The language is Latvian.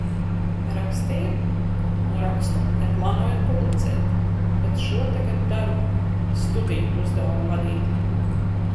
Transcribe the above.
Rakstīju un rakstu neplānojot publicēt, bet šo tagad daru studiju uzdevuma vadīta.